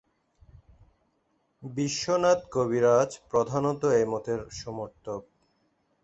বিশ্বনাথ কবিরাজ প্রধানত এ মতের সমর্থক।